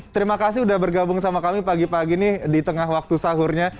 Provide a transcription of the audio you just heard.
terima kasih sudah bergabung sama kami pagi pagi nih di tengah waktu sahurnya